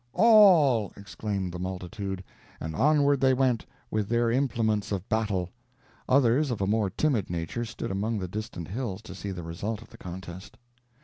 "All," exclaimed the multitude; and onward they went, with their implements of battle. Others, of a more timid nature, stood among the distant hills to see the result of the contest.